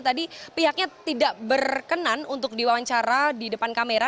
tadi pihaknya tidak berkenan untuk diwawancara di depan kamera